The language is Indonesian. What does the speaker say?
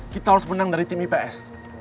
kita harus menang dari tim ips